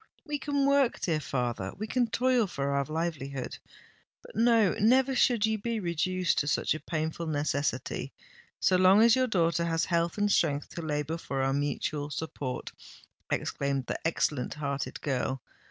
"We can work, dear father—we can toil for our livelihood! But, no—never should you be reduced to such a painful necessity, so long as your daughter has health and strength to labour for our mutual support!" exclaimed the excellent hearted girl.